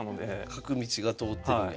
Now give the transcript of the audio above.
角道が通ってるんや。